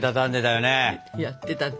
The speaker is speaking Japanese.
やってたね。